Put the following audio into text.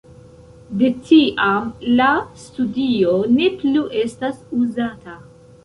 De tiam la studio ne plu estas uzata.